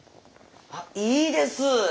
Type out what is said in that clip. わっいいです。